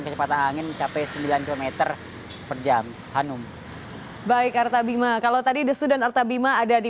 kecepatan angin mencapai sembilan km per jam hanum baik artabima kalau tadi destu dan artabima ada di